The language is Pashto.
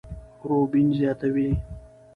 روبين زياتوي،